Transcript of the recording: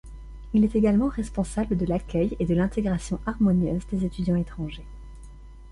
Il est également responsable de l’accueil et de l'intégration harmonieuse des étudiants étrangers.